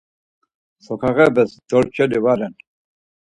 Soǩağepes dorçeli va ren.